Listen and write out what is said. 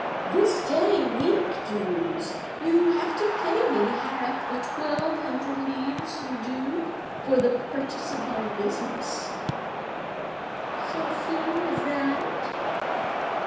"This day week, Derues, you have to pay me half the twelve hundred livres due for the purchase of my business." "So soon as that?"